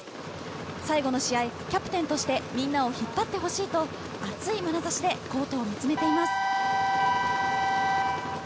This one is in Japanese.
最後の試合、キャプテンとしてみんなを引っ張ってほしいと熱いまなざしでコートを見つめています。